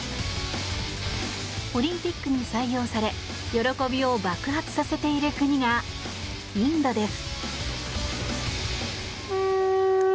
オリンピックに採用され喜びを爆発させている国がインドです。